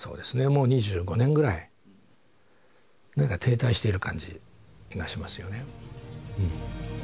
もう２５年ぐらい何か停滞している感じがしますよね。